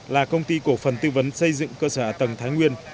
là công ty cổ phần tư vấn xây dựng cơ sở ở tầng thái nguyên